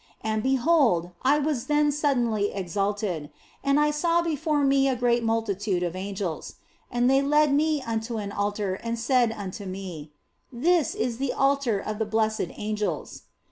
And behold, I was then suddenly exalted, and I saw before me a great multitude of angels ; and they led me unto an altar and said unto me, " This is the altar of the blessed angels."